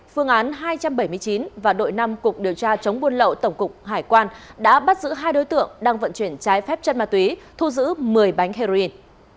phương án hai trăm bảy mươi chín và đội năm cục điều tra chống buôn lậu tổng cục hải quan đã bắt giữ hai đối tượng đang vận chuyển trái phép chất ma túy thu giữ một mươi bánh heroin